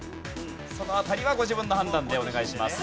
その辺りはご自分の判断でお願いします。